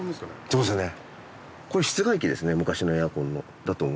そうですね。